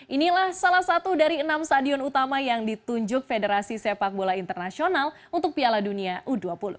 inilah salah satu dari enam stadion utama yang ditunjuk federasi sepak bola internasional untuk piala dunia u dua puluh